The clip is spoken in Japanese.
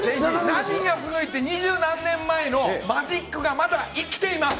何がすごいって、二十何年前のマジックがまだ生きています。